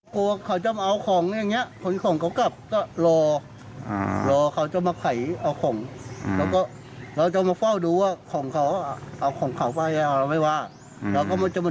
ผมใส่นั่นเถอะเอาเต็มเท่าผมใส่ตอนนั้นช่วงนั้นฮันผมใส่